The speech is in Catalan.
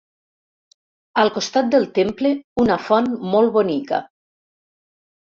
Al costat del temple una font molt bonica.